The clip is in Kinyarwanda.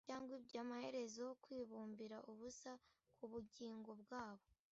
Cyangwa ibyo amaherezo kwibumbira ubusa kubugingo bwabo